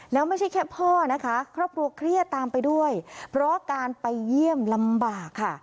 แล้วไม่ใช่แค่พ่อนะคะครอบครัวเครียดตามไปด้วยเพราะการไปเยี่ยมลำบากค่ะ